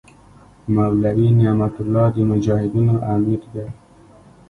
مولوي نعمت الله د مجاهدینو امیر دی.